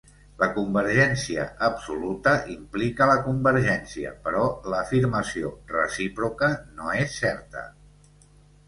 La convergència absoluta implica la convergència, però l'afirmació recíproca no és certa.